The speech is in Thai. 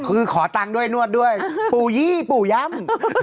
คือขอตังค์ด้วยนวดด้วยปู่ยี่ปู่ย่ำ